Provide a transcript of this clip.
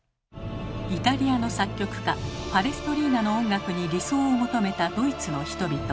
イタリアの作曲家パレストリーナの音楽に理想を求めたドイツの人々。